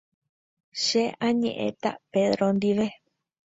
Che añe'ẽta Pedro ndive.